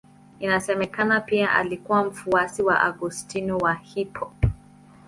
Inasemekana pia alikuwa mfuasi wa Augustino wa Hippo.